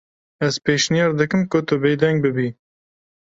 Ez pêşniyar dikim ku tu bêdeng bibî.